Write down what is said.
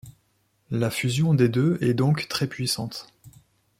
La fusion des deux est donc très puissante.